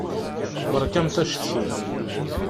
Beṛkamt acetki.